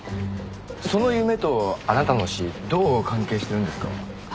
その夢とあなたの死どう関係しているんですか？